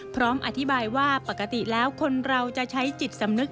พร้อมอธิบายว่าปกติแล้วคนเราจะใช้จิตสำนึก